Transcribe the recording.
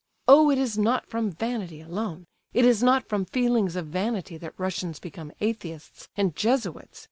Oh, it is not from vanity alone, it is not from feelings of vanity that Russians become Atheists and Jesuits!